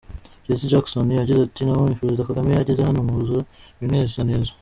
Jesse Jackson yagize ati “Nabonye Perezida Kagame ageze hano mwuzura ibinezaneza.